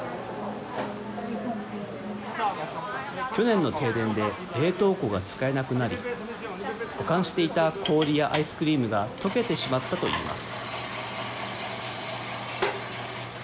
去年の停電で、冷凍庫が使えなくなり、保管していた氷やアイスクリームが溶けてしまったといいます。